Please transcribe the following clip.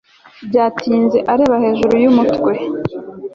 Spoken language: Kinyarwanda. byatinze areba hejuru yumutwe